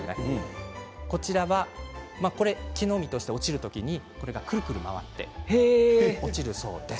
木の実として落ちる時にくるくると回って落ちるそうです。